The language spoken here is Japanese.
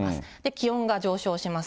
気温が上昇します。